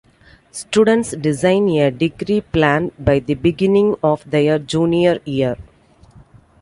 Students design a degree plan by the beginning of their junior year.